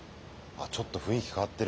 あっちょっと雰囲気変わってる。